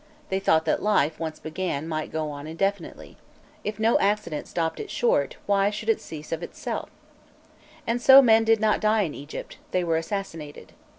They thought that life, once began, might go on indefinitely: if no accident stopped it short, why should it cease of itself? And so men did not die in Egypt; they were assassinated.